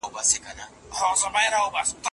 انسان باید قانع وي خو لټ نه وي.